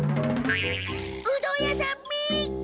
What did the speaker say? うどん屋さん見っけ！